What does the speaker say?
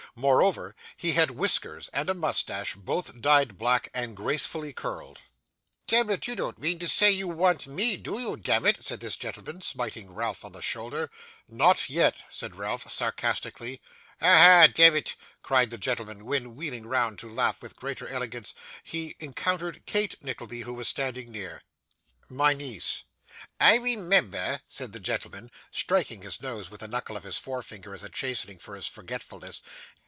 Moreover, he had whiskers and a moustache, both dyed black and gracefully curled. 'Demmit, you don't mean to say you want me, do you, demmit?' said this gentleman, smiting Ralph on the shoulder. 'Not yet,' said Ralph, sarcastically. 'Ha! ha! demmit,' cried the gentleman; when, wheeling round to laugh with greater elegance, he encountered Kate Nickleby, who was standing near. 'My niece,' said Ralph. 'I remember,' said the gentleman, striking his nose with the knuckle of his forefinger as a chastening for his forgetfulness.